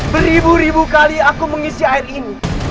beribu ribu kali aku mengisi air ini